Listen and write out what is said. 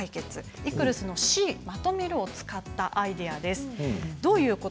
ＥＣＲＳのＣのまとめるを使ったアイデアです。